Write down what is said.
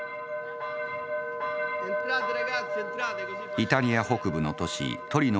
イタリア北部の都市トリノ